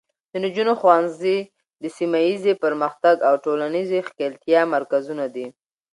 د نجونو ښوونځي د سیمه ایزې پرمختګ او ټولنیزې ښکیلتیا مرکزونه دي.